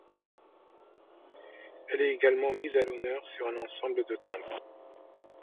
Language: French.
Elle est également mise à l'honneur sur un ensemble de timbres.